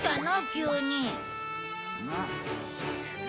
急に。